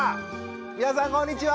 皆さんこんにちは！